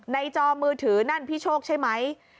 จอมือถือนั่นพี่โชคใช่ไหม